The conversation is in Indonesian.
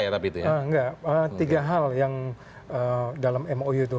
ini mau dipanggang ke